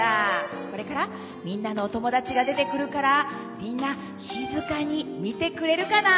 これからみんなのお友達が出てくるからみんな静かに見てくれるかな？」